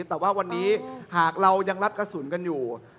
แต่ว่าวันนี้หากเรายังรับกระสุนกันอยู่